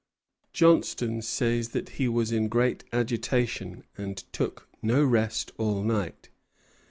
Johnstone says that he was in great agitation, and took no rest all night.